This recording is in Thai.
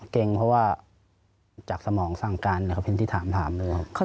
เกร็งเพราะว่าจากสมองสร้างการไปเพ้นที่ถามเลยครับ